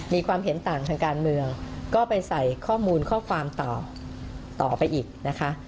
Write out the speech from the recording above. มีความเห็นต่างทางการเมืองก็ไปใส่ข้อมูลข้อความต่อไปอีกนะคะ